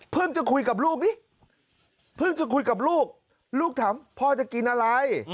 จะคุยกับลูกนี้เพิ่งจะคุยกับลูกลูกถามพ่อจะกินอะไร